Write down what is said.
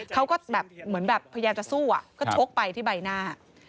เขาก็แบบเหมือนแบบพยายามจะสู้ก็ชกไปที่ใบหน้า